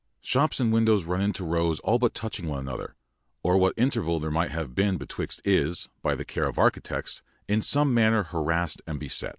Shops and windows run into rows all but touching one another, or what interval there might have been betwixt is, by the care of architects, in some manner harassed and beset.